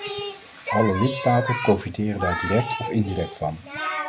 Alle lidstaten profiteren daar direct of indirect van.